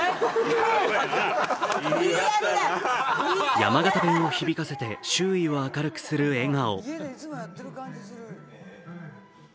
山形弁を響かせて周囲を明るくする笑顔。